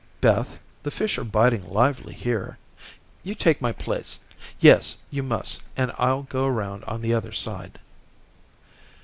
"Beth, the fish are biting lively here. You take my place yes, you must, and I'll go around on the other side."